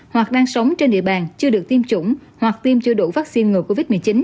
hoặc đang sống trên địa bàn chưa được tiêm chủng hoặc tiêm chưa đủ vaccine ngừa covid một mươi chín